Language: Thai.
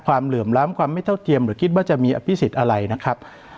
เหลื่อมล้ำความไม่เท่าเทียมหรือคิดว่าจะมีอภิษฎอะไรนะครับ